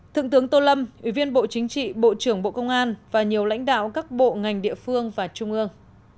thượng tướng tô lâm ủy viên bộ chính trị bộ trưởng bộ công an và nhiều lãnh đạo các bộ ngành địa phương và trung ương